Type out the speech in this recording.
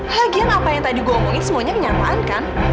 lagian apa yang tadi gue omongin semuanya kenyataan kan